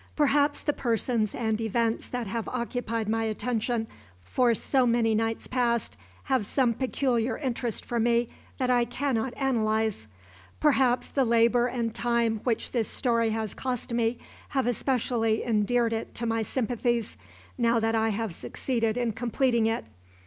Perhaps the persons and events that have occupied my attention for so many nights past have some peculiar interest for me that I cannot analyze. Perhaps the labor and time which this story has cost me have especially endeared it to my sympathies, now that I have succeeded in completing it.